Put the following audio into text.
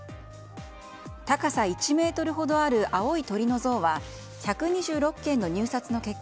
高さ１ｍほどある青い鳥の像は１２６件の入札の結果